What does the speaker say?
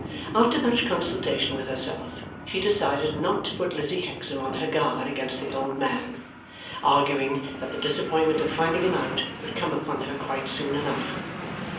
After much consultation with herself, she decided not to put Lizzie Hexam on her guard against the old man, arguing that the disappointment of finding him out would come upon her quite soon enough.